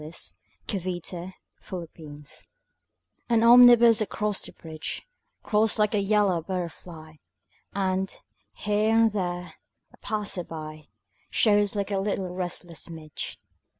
SYMPHONY IN YELLOW AN omnibus across the bridge Crawls like a yellow butterfly And, here and there, a passer by Shows like a little restless midge.